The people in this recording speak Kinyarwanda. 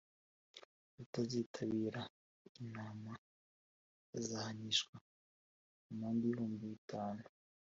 Utazitabira inama azahanishwa amande y’ibihumbi bitanu